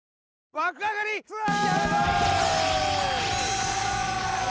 爆上がりツアー！